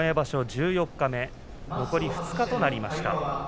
十四日目残り２日となりました。